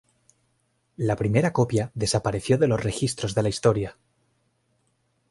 La primera copia desapareció de los registros de la historia.